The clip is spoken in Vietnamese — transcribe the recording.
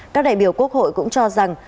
các đại biểu quốc hội cũng cho rằng